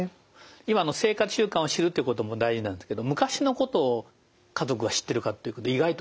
今の生活習慣を知るということも大事なんですけど昔のことを家族は知ってるか意外と知られないんですよね。